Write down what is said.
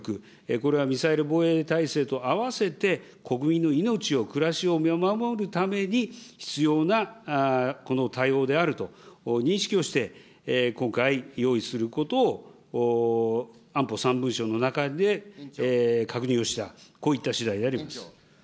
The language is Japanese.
これはミサイル防衛能力と併せて国民の命を、暮らしを守るために必要な対応であると認識をして、今回用意することを、安保３文書の中で確認をした、こういったしだいであります。